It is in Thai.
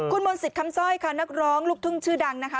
คุณมนต์สิทธิ์คำสร้อยค่ะนักร้องลูกทุ่งชื่อดังนะคะ